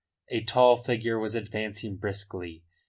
A tall figure was advancing briskly.